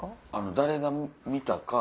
誰が見たか。